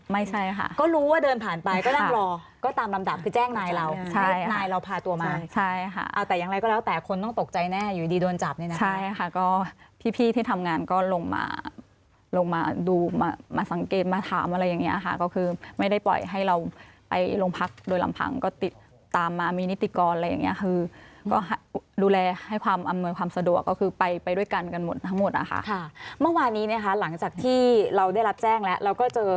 ไม่ใช่ค่ะก็รู้ว่าเดินผ่านไปก็ได้รอก็ตามลำดับคือแจ้งนายเราใช่ค่ะให้นายเราพาตัวมาใช่ค่ะเอาแต่อย่างไรก็แล้วแต่คนต้องตกใจแน่อยู่ดีโดนจับนี่นะคะใช่ค่ะก็พี่พี่ที่ทำงานก็ลงมาลงมาดูมามาสังเกตมาถามอะไรอย่างเงี้ยค่ะก็คือไม่ได้ปล่อยให้เราไปโรงพักโดยลำพังก็ติดตามมามีนิติกรอะไรอย่างเงี้ยคือ